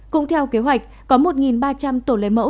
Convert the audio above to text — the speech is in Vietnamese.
cũng theo kế hoạch có một ba trăm linh tổ lấy mẫu